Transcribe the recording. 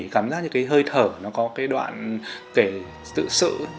cảm giác như cái hơi thở nó có cái đoạn kể tự sự